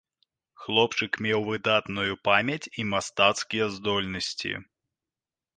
Хлопчык меў выдатную памяць і мастацкія здольнасці.